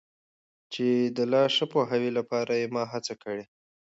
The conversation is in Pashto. چي د لا ښه پوهاوي لپاره یې ما هڅه کړي.